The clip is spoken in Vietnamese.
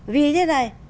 vì thế này